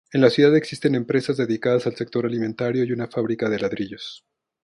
En la ciudad existen empresas dedicadas al sector alimentario y una fábrica de ladrillos.